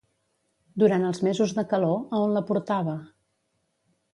Durant els mesos de calor, a on la portava?